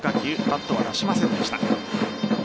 バットを出しませんでした。